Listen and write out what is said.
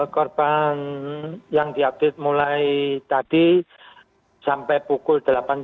korban yang diupdate mulai tadi sampai pukul delapan tiga puluh